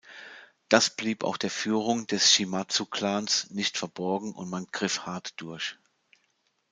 Das blieb auch der Führung des Shimazu-Clans nicht verborgen und man griff hart durch.